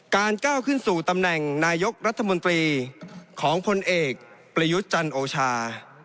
ก้าวขึ้นสู่ตำแหน่งนายกรัฐมนตรีของพลเอกประยุทธ์จันโอชา